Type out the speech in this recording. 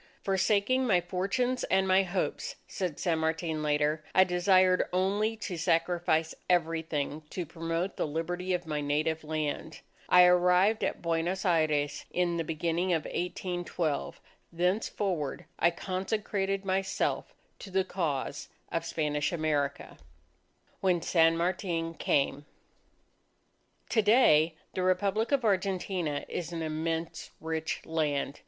"Forsaking my fortunes and my hopes," said San Martin later, "I desired only to sacrifice everything to promote the Liberty of my native land. I arrived at Buenos Aires in the beginning of 1812 thenceforward I consecrated myself to the cause of Spanish America." WHEN SAN MARTIN CAME To day, the Republic of Argentina is an immense rich land.